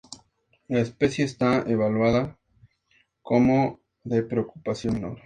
La especie está evaluada como de Preocupación Menor.